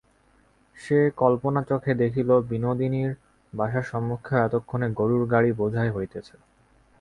সে কল্পনাচক্ষে দেখিল, বিনোদিনীর বাসার সম্মুখেও এতক্ষণে গোরুর গাড়ি বোঝাই হইতেছে।